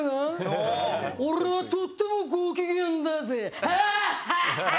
俺はとってもご機嫌だぜ。